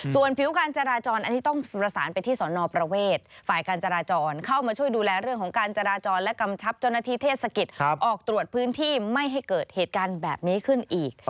ส่วนผิวการจราจรอันนี้ต้องประสานไปที่สอนอประเวทฝ่ายการจราจรเข้ามาช่วยดูแลเรื่องของการจราจรและกำชับเจ้าหน้าที่เทศกิจออกตรวจพื้นที่ไม่ให้เกิดเหตุการณ์แบบนี้ขึ้นอีก